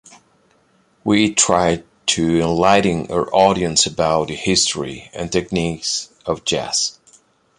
We try to enlighten our audience about the history and techniques of jazz.